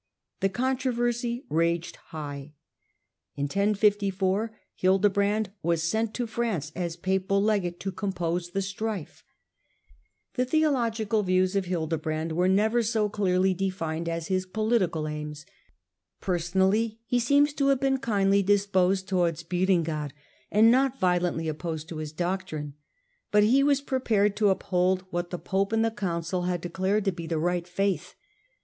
The ^^■^"^ controversy raged high. In 1054, Hiidebrand was sent to Prance as papal legate to compose the Burife. The theological views of Hiidebrand were never Digitized by VjOOQIC Progress of Reform under Leo IX, 33 BO clearly defined as his political aims. Personally he seems to have been kindly disposed towards Berengar, and not violently opposed to his doctrine ; but he was prepared to uphold what the pope and the council had declared to be the right faith.